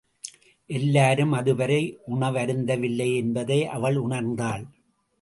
எல்லாரும் அதுவரை உணவருந்தவில்லையென்பதை அவள் உணர்ந்தாள்.